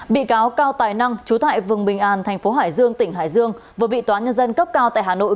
bị cáo cao tài năng trú tại vườn bình an tp hải dương tỉnh hải dương vừa bị tòa nhân dân cấp cao tại hà nội